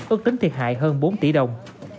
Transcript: ước tính thiệt hại hơn bốn tỷ đồng